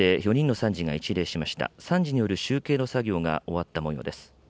参事による集計の作業が終わったもようです。